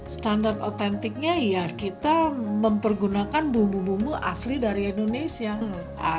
standar otentiknya ya kita mempergunakan bumbu bumbu asli dari indonesia